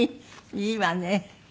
いいわね。